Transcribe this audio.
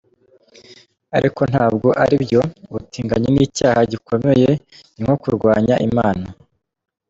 Ariko ntabwo aribyo ubutinganyi ni icyaha gikomeye ni nko kurwanya Imana”.